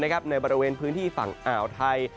ในบริเวณพื้นที่ฝั่งอ่าวไทย